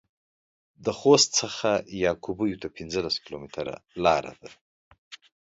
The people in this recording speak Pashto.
د خوست څخه يعقوبيو ته پنځلس کيلومتره لار ده.